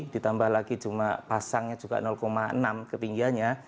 ditambah lagi cuma pasangnya juga enam ketinggiannya